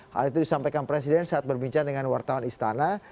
hal itu disampaikan presiden saat berbincang dengan wartawan istana